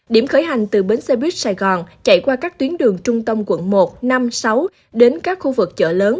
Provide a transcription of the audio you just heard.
điểm khởi hành từ bến xe buýt sài gòn chạy qua các tuyến đường trung tâm quận một năm sáu đến các khu vực chợ lớn